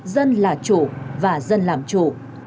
dân là chủ và dân làm chủ